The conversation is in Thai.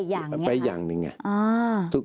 เพื่อให้เข้าใจอีกอย่างหนึ่งไง